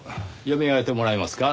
読み上げてもらえますか？